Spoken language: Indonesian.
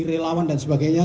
relawan dan sebagainya